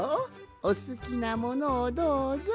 おすきなものをどうぞ。